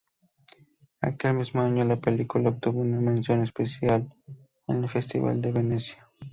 Aquel mismo año, la película obtuvo una mención especial en el Festival de Venecia.